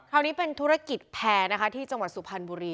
คราวนี้เป็นธุรกิจแพร่นะคะที่จังหวัดสุพรรณบุรี